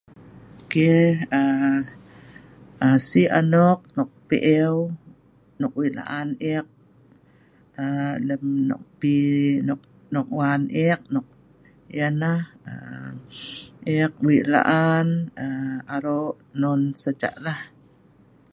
Ok sii anok nok pe'ew, nok wik laan ek, lem nok pi, non wan ek, ek wik laan arok non saja lah